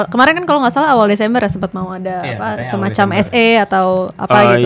kemarin kan kalau nggak salah awal desember ya sempat mau ada semacam se atau apa gitu